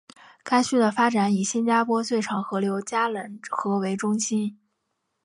该区的发展以新加坡最长河流加冷河为中心。